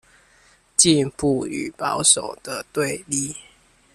進步與保守的對立